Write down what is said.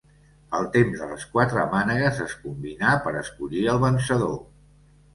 El temps de les quatre mànegues es combinà per escollir el vencedor.